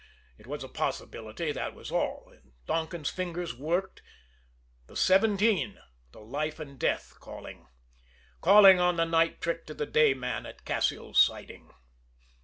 It was a possibility, that was all; and Donkin's fingers worked the seventeen, the life and death calling, calling on the night trick to the day man at Cassil's Siding.